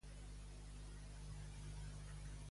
Qui va al final de la llista de Forn?